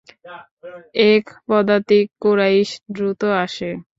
এক পদাতিক কুরাইশ দ্রুত আসে।